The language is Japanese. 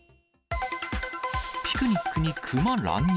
ピクニックに熊乱入。